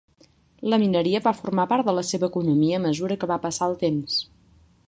La mineria va formar part de la seva economia a mesura que va passar el temps.